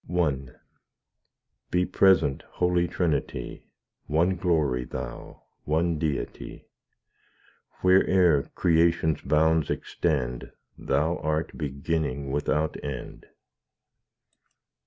I Be present, Holy Trinity, One glory Thou, one Deity; Where'er creation's bounds extend, Thou art beginning without end.